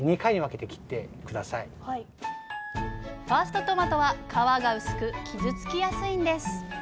ファーストトマトは皮が薄く傷つきやすいんです。